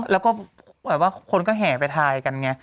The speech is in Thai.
แล้วก็แบบว่าคนก็แห่ไปทายกันไง